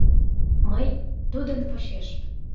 Мый — тудын почеш!